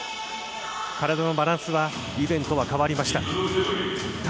体のバランスは以前とは変わりました。